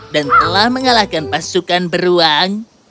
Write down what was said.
dan telah mengalahkan pasukan beruang